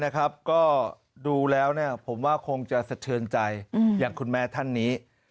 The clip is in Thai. ก็ดูแล้วผมว่าคงจะสะเทือนใจอย่างคุณแม่ท่านนี้